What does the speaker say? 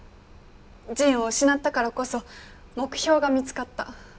仁を失ったからこそ目標が見つかった。